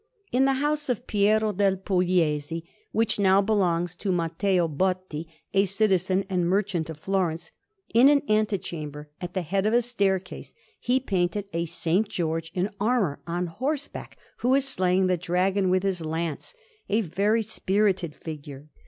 In the house of Piero del Pugliese, which now belongs to Matteo Botti, a citizen and merchant of Florence, in an antechamber at the head of a staircase, he painted a S. George in armour, on horseback, who is slaying the Dragon with his lance a very spirited figure.